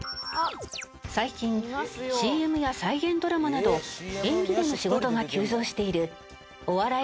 最近ＣＭや再現ドラマなど演技での仕事が急増しているお笑い